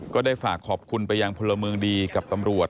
ก็ได้ฝากขอบคุณไปยังพลเมืองดีกับตำรวจ